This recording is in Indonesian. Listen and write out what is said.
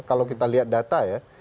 kalau kita lihat data ya